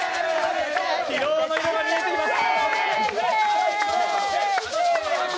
疲労の色が見えています。